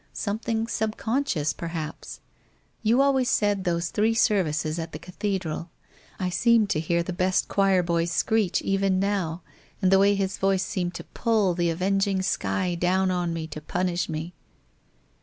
Something subconscious perhaps ? You always said those three services at the cathedral. I seem to hear the best choir boy's screech even now and the way his voice seemed to pull the avenging sky down on me to punish me.